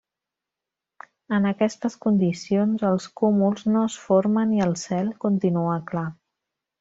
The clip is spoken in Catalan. En aquestes condicions, els cúmuls no es formen i el cel continua clar.